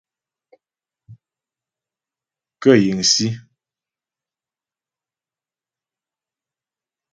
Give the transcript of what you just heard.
Kə yiŋsǐ.